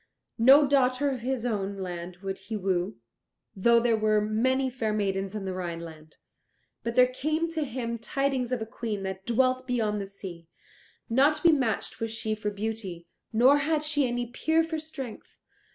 No daughter of his own land would he woo, though there were many fair maidens in the Rhineland. But there came to him tidings of a Queen that dwelt beyond the sea; not to be matched was she for beauty, nor had she any peer for strength.